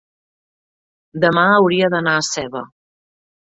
demà hauria d'anar a Seva.